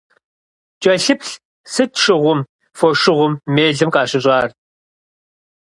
КӀэлъыплъ, сыт шыгъум, фошыгъум, мелым къащыщӀар?